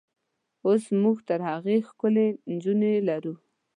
اوس موږ تر هغوی ښکلې نجونې لرو.